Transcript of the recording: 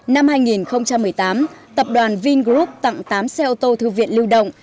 năm hai nghìn một mươi tám tập đoàn vingroup tặng tám xe ô tô thư viện lưu động